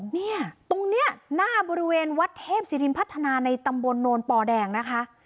เนี่ยตรงนี้หน้าบริเวณวัดเทพศิรินพัฒนาในตำบลโนนปอแดงนะคะ